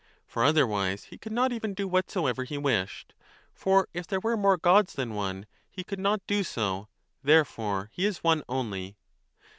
For otherwise he could not even do whatsoever he wished ; 35 for if there were more gods than one, he could not do so ; therefore he is One only.